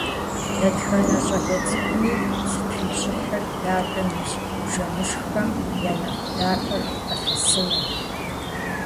Дэтхэнэ щӀалэ цӀыкӀуми зытрищӀыхьыр дадэм ищӀ бжэмышххэм я нэхъ дахэр къылъысынырт.